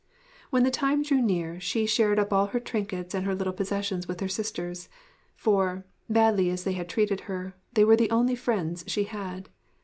When the time drew near she shared up all her trinkets and little possessions with her sisters for, badly as they had treated her, they were the only friends she had.